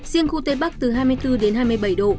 riêng khu tây bắc từ hai mươi bốn đến hai mươi bảy độ